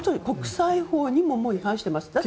国際法にも違反しています。